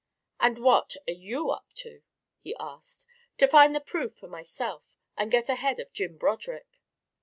"And what are you up to?" he asked. "To find the proof for myself, and get ahead of Jim Broderick."